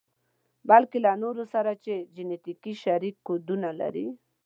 بلکې له نورو سره چې جنتیکي شريک کوډونه لري.